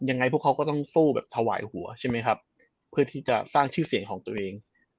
ยังไงพวกเขาก็ต้องสู้แบบถวายหัวใช่ไหมครับเพื่อที่จะสร้างชื่อเสียงของตัวเอง